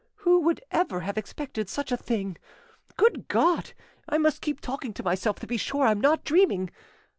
Who would ever have expected such a thing? Good God! I must keep talking to myself, to be sure I'm not dreaming.